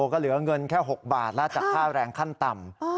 ก็เหลือเงินแค่๖บาทแล้วจากค่าแรงขั้นต่ำ